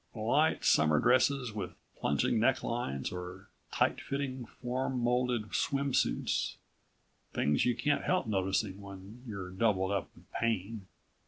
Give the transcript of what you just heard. Light summer dresses with plunging necklines or tight fitting, form molded swim suits things you can't help noticing even when you're doubled up with pain.